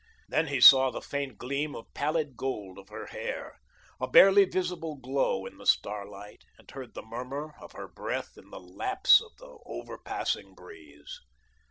Then he saw the faint gleam of pallid gold of her hair, a barely visible glow in the starlight, and heard the murmur of her breath in the lapse of the over passing breeze.